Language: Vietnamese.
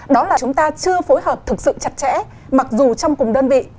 đó là chúng ta chưa phối hợp thực sự chặt chẽ mặc dù trong cùng đơn vị